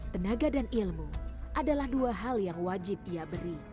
tenaga dan ilmu adalah dua hal yang wajib ia beri